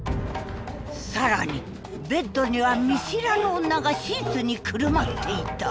更にベッドには見知らぬ女がシーツにくるまっていた。